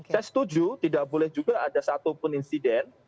saya setuju tidak boleh juga ada satu pun insiden